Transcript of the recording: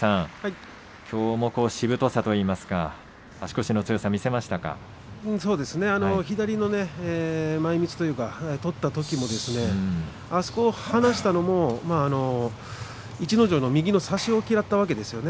きょうもしぶとさといいますか左の前みつというか取ったときもあそこを離したのも逸ノ城の右の差しを嫌ったんですね。